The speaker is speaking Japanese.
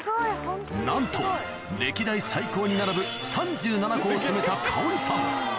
なんと歴代最高に並ぶ３７個を詰めた香織さん